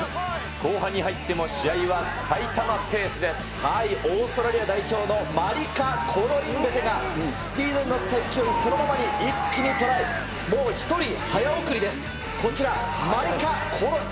後半に入っても試合は埼玉ペオーストラリア代表のマリカ・コロインベテがスピードに乗って勢いそのままに一気にトライ。